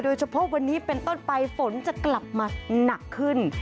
เฉพาะวันนี้เป็นต้นไปฝนจะกลับมาหนักขึ้น